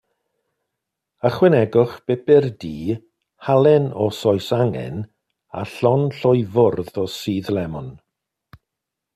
Ychwanegwch bupur du, halen os oes angen, a llond llwy fwrdd o sudd lemwn.